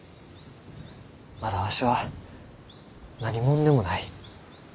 まだわしは何者でもない。